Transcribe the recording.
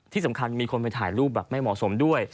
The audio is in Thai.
ที่สำคัญมีคนไปถ่ายรูปแบบไม่เหมาะสมด้วย